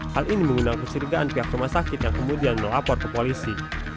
hal ini mengundang kesirigaan pihak rumah sakit yang kemudian melapor ke polisi